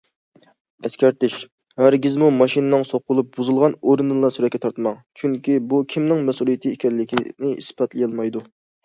ئەسكەرتىش: ھەرگىزمۇ ماشىنىنىڭ سوقۇلۇپ بۇزۇلغان ئورنىنىلا سۈرەتكە تارتماڭ، چۈنكى بۇ كىمنىڭ مەسئۇلىيىتى ئىكەنلىكىنى ئىسپاتلىيالمايدۇ.